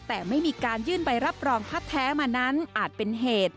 แต่ไม่มีการยื่นใบรับรองพัดแท้มานั้นอาจเป็นเหตุ